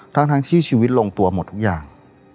ทั้งที่ชีวิตลงตัวหมดทุกอย่าง